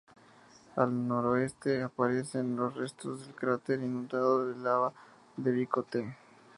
Al noroeste aparecen los restos del cráter inundado de lava "De Vico T".